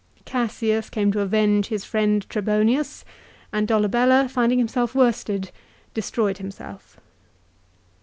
Cassius came to avenge his friend Trebonius, and Dolabella, finding himself worsted, destroyed himself.